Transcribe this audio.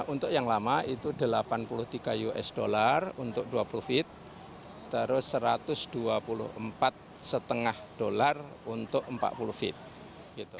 untuk yang lama itu delapan puluh tiga usd untuk dua puluh feet terus satu ratus dua puluh empat lima dolar untuk empat puluh feet